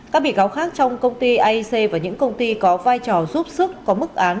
các bị cáo khác trong công ty aic và những công ty có vai trò giúp sức có mức án